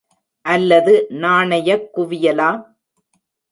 அல்லது நாணயக் குவியலா?